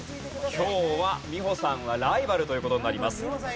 今日は美穂さんはライバルという事になります。